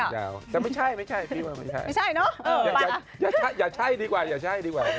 อย่าใช้ดีกว่า